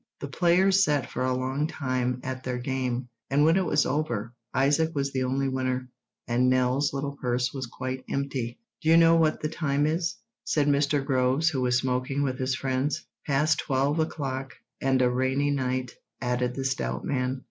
The players sat for a long time at their game, and when it was over Isaac was the only winner, and Nell's little purse was quite empty. "Do you know what the time is?" said Mr. Groves, who was smoking with his friends. "Past twelve o'clock."—"And a rainy night," added the stout man.